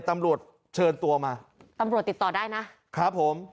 ตำรวจเชิญตัวมาตำรวจติดต่อได้นะครับผม